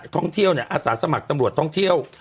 ท่องเที่ยวเนี่ยอาสาสมัครตำรวจท่องเที่ยว